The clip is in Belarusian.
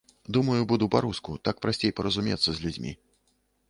Думаю, буду па-руску, так прасцей паразумецца з людзьмі.